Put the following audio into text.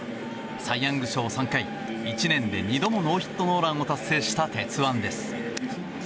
サイ・ヤング賞３回１年で２度もノーヒットノーランを達成した鉄腕です。